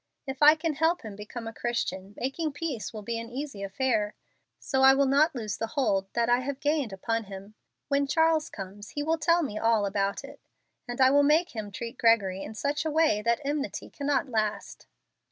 If I can help him become a Christian, making peace will be an easy affair; so I will not lose the hold that I have gained upon him. When Charles comes he will tell me all about it, and I will make him treat Gregory in such a way that enmity cannot last."